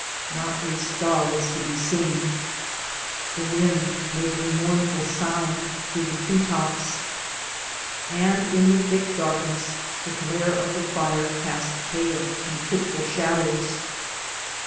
Not a star was to be seen. The wind made a mournful sound through the tree tops. And in the thick darkness the glare of the fire cast pale and fitful shadows.